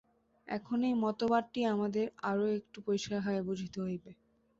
এখন এই মতবাদটি আমাদের আরও একটু পরিষ্কারভাবে বুঝিতে হইবে।